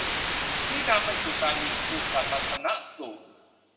ที่นำไปสู่การมีครูสมรรถนะสูง